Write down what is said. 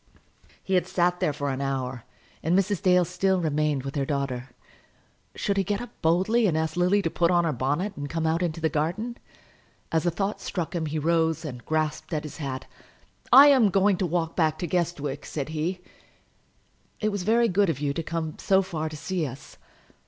He had sat there for an hour, and Mrs. Dale still remained with her daughter. Should he get up boldly and ask Lily to put on her bonnet and come out into the garden? As the thought struck him, he rose and grasped at his hat. "I am going to walk back to Guestwick," said he. "It was very good of you to come so far to see us."